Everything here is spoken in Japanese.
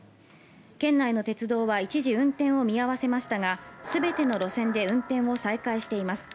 県内の鉄道は一時運転を見合わせましたが、すべての路線で運転を再開しています。